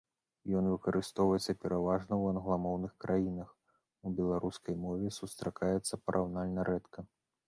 Ён выкарыстоўваецца пераважна ў англамоўных краінах, у беларускай мове сустракаецца параўнальна рэдка.